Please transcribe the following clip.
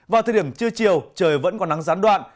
vào thời điểm trưa chiều trời vẫn còn nắng gián đoạn